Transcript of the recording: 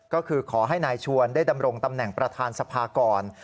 ก็คือขอให้นายชวนได้ดำรงตำแหน่งประธานสภาก่อน